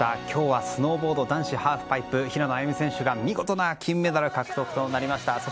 今日はスノーボード男子ハーフパイプ平野歩夢選手が見事な金メダル獲得となりました。